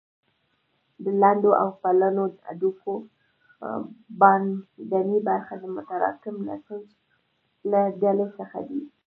د لنډو او پلنو هډوکو باندنۍ برخې د متراکم نسج له ډلې څخه دي.